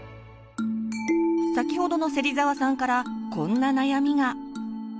先ほどの芹澤さんからこんな悩みが。